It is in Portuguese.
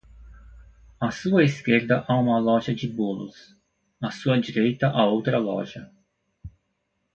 A sua esquerda há uma loja de bolos, a sua direita há outra loja